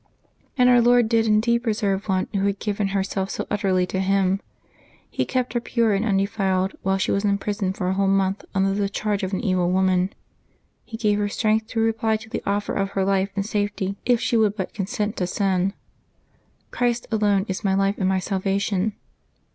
And Our Lord did indeed preserve one who had given herself so utterly to Him. He kept her pure and undefiled while she was imprisoned for a whole month under charge of an evil woman. He gave her strength to reply to the offer of her life and safety, if she would but consent to sin, " Christ alone is my life and my salvation.